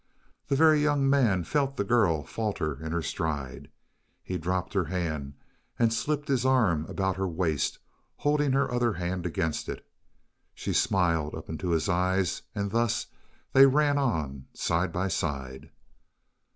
The Very Young Man felt the girl falter in her stride. He dropped her hand and slipped his arm about her waist, holding her other hand against it. She smiled up into his eyes, and thus they ran on, side by side.